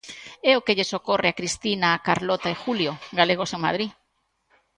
É o que lles ocorre a Cristina, Carlota e Julio, galegos en Madrid.